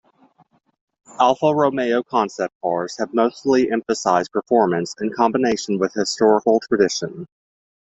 Alfa Romeo concept cars have mostly emphasized performance in combination with historical tradition.